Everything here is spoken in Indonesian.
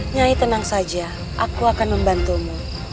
nyai tenang saja aku akan membantumu